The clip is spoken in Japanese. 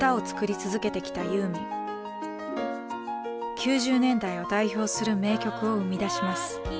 ９０年代を代表する名曲を生み出します。